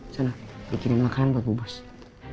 sana dikirim makanan buat bobo sih